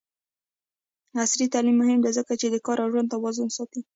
عصري تعلیم مهم دی ځکه چې د کار او ژوند توازن ساتي.